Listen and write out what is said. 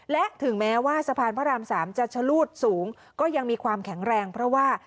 และถึงแม้ว่าสะพานพระราม๓จะชะลูดสูงก็ยังมีความแข็งแรงเพราะว่า